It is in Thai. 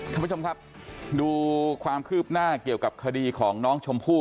ท่านผู้ชมครับดูความคืบหน้าเกี่ยวกับคดีของน้องชมพู่